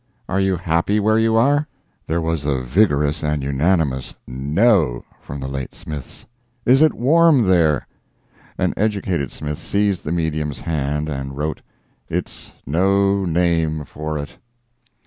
"Are you happy where you are?" There was a vigorous and unanimous "No!" from the late Smiths. "Is it warm there?" An educated Smith seized the medium's hand and wrote: "It's no name for it."